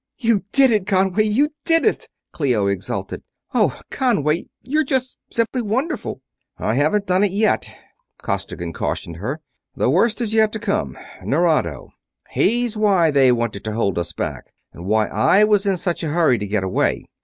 "You did it, Conway; you did it!" Clio exulted. "Oh, Conway, you're just simply wonderful!" "I haven't done it yet," Costigan cautioned her. "The worst is yet to come. Nerado. He's why they wanted to hold us back, and why I was in such a hurry to get away.